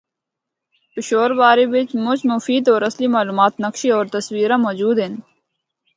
پشور بارے بچ مچ مفید اور اصلی معلومات، نقشے ہور تصویراں موجود ہن۔